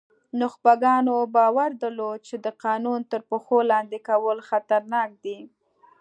نخبګانو باور درلود چې د قانون تر پښو لاندې کول خطرناک دي.